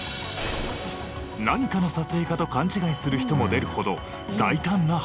何かの撮影かと勘違いする人も出るほど大胆な犯行。